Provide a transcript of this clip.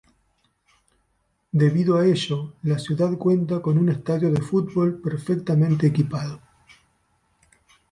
Debido a ello, la ciudad cuenta con un estadio de fútbol perfectamente equipado.